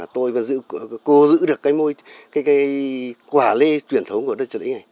tôi vẫn cố giữ được cái quả lê truyền thống của đất trả lĩnh này